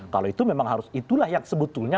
kalau itu memang harus itulah yang sebetulnya